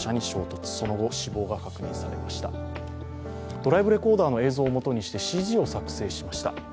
ドライブレコーダーの映像を元にしてＣＧを作成しました。